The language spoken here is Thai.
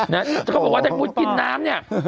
เนี่ยเขาบอกว่าถ้าคุณกินน้ำเนี่ย